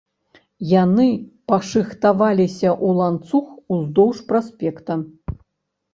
Яны пашыхтаваліся ў ланцуг уздоўж праспекта.